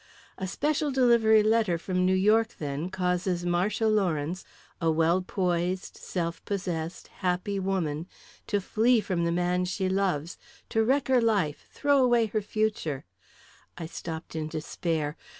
A special delivery letter from New York, then, causes Marcia Lawrence, a well poised, self possessed, happy woman, to flee from the man she loves, to wreck her life, throw away her future " I stopped in despair.